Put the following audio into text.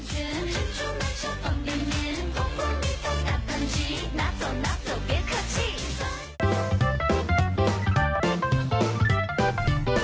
สวัสดีครับ